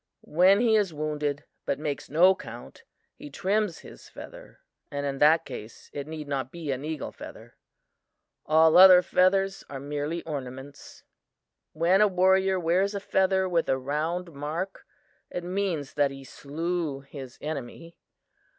When he is wounded, but makes no count, he trims his feather and in that case, it need not be an eagle feather. All other feathers are merely ornaments. When a warrior wears a feather with a round mark, it means that he slew his enemy.